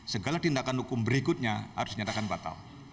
segala tindakan hukum berikutnya harus dinyatakan batal